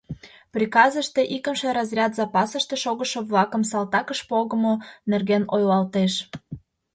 Приказыште икымше разряд запасыште шогышо-влакым салтакыш погымо нерген ойлалтеш...